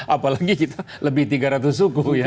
apalagi kita lebih tiga ratus suku ya